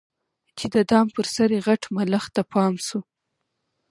چي د دام پر سر یې غټ ملخ ته پام سو